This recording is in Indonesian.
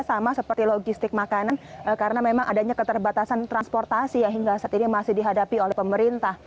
sama seperti logistik makanan karena memang adanya keterbatasan transportasi yang hingga saat ini masih dihadapi oleh pemerintah